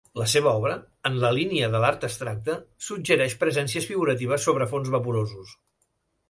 La seva obra, en la línia de l'art abstracte, suggereix presències figuratives sobre fons vaporosos.